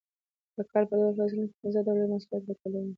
د کال په دوو فصلونو کې پنځه ډوله محصولات راټولول